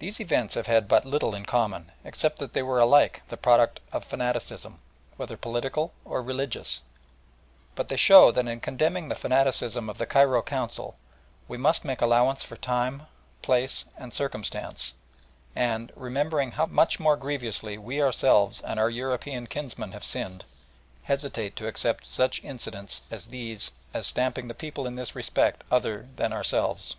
These events have had but little in common, except that they were alike the products of fanaticism whether political or religious but they show that in condemning the fanaticism of the Cairo Council we must make allowance for time, place, and circumstances, and, remembering how much more grievously we ourselves and our European kinsmen have sinned, hesitate to accept such incidents as these as stamping the people as in this respect other than ourselves.